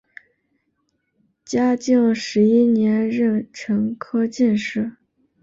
嘉靖十一年壬辰科进士。